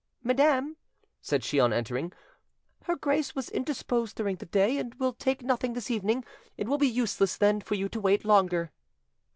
"Madam," said she on entering, "her grace was indisposed during the day, and will take nothing this evening; it will be useless, then, for you to wait longer."